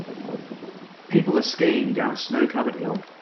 people are skiing down a snow covered hill